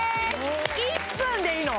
１分でいいの？